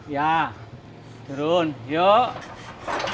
ya turun yuk